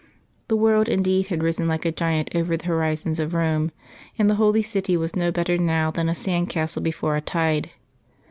The world indeed had risen like a giant over the horizons of Rome, and the holy city was no better now than a sand castle before a tide.